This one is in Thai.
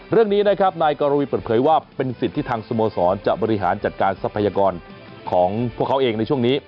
เรื่องนี้นะครับนายกรวีเปิดเผยว่าเป็นสิทธิ์ที่ทางสโมสรจะบริหารจัดการทรัพยากรของพวกเขาเองในช่วงนี้